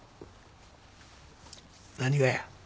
何がや？